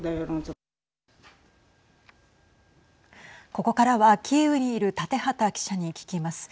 ここからはキーウにいる建畠記者に聞きます。